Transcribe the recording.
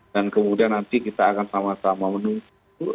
dan kemudian nanti kita akan sama sama menunggu